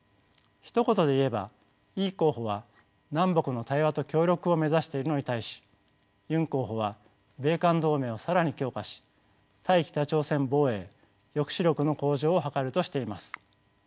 ひと言で言えばイ候補は南北の対話と協力を目指しているのに対しユン候補は米韓同盟を更に強化し対北朝鮮防衛抑止力の向上を図るとしています。